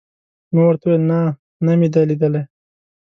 ما ورته وویل: نه، نه مې دي لیدلي.